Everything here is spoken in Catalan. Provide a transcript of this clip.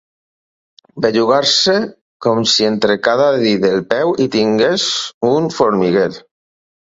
Bellugar-se com si entre cada dit del peu hi tingués un formiguer.